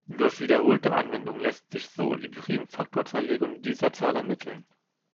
Durch wiederholte Anwendung lässt sich so die Primfaktorzerlegung dieser Zahl ermitteln.